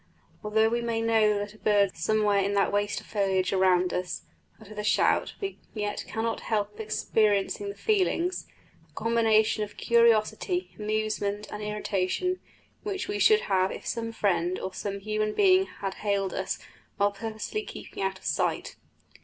although we may know that a bird, somewhere in that waste of foliage around us, uttered the shout, we yet cannot help experiencing the feelings a combination of curiosity, amusement, and irritation which we should have if some friend or some human being had hailed us while purposely keeping out of sight.